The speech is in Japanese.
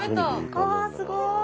わすごい。